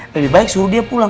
lebih baik suruh dia pulang